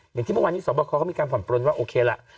อย่างที่เมื่อวานนี้สอบประคอเขามีการผ่อนปลนว่าโอเคล่ะ